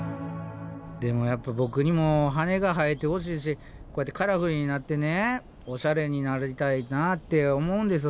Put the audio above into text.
でもやっぱボクにも羽が生えてほしいしこうやってカラフルになってオシャレになりたいなって思うんですよ。